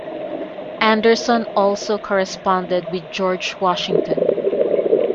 Anderson also corresponded with George Washington.